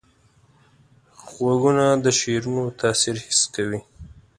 غوږونه د شعرونو تاثیر حس کوي